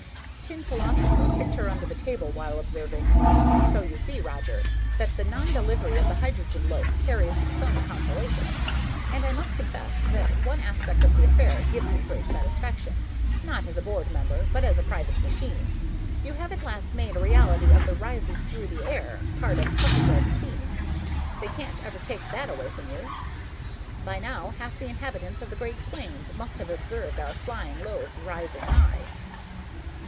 Tin Philosopher kicked her under the table, while observing, "So you see, Roger, that the non delivery of the hydrogen loaf carries some consolations. And I must confess that one aspect of the affair gives me great satisfaction, not as a Board Member but as a private machine. You have at last made a reality of the 'rises through the air' part of Puffybread's theme. They can't ever take that away from you. By now, half the inhabitants of the Great Plains must have observed our flying loaves rising high."